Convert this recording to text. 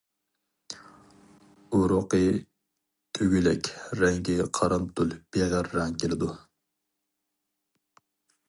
ئۇرۇقى دۈگىلەك، رەڭگى قارامتۇل بېغىر رەڭ كېلىدۇ.